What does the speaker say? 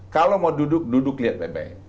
kalau mau duduk duduk lihat bebek